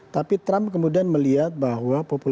tapi trump kemudian melihat bahwa